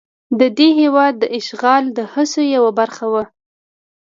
د دې هېواد د اشغال د هڅو یوه برخه وه.